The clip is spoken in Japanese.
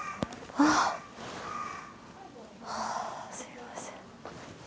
ああすいません。